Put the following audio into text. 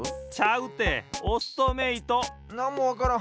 なんもわからん。